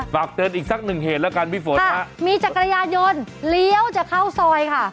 ฝากเตือนอีกสักหนึ่งเหตุแล้วกันพี่ฝนฮะมีจักรยานยนต์เลี้ยวจะเข้าซอยค่ะ